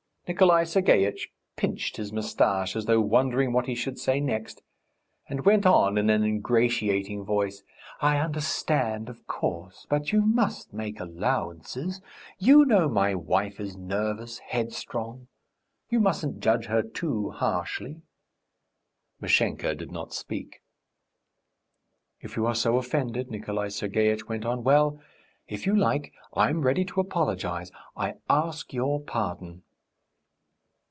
Nikolay Sergeitch pinched his moustache, as though wondering what he should say next, and went on in an ingratiating voice: "I understand, of course, but you must make allowances. You know my wife is nervous, headstrong; you mustn't judge her too harshly." Mashenka did not speak. "If you are so offended," Nikolay Sergeitch went on, "well, if you like, I'm ready to apologise. I ask your pardon."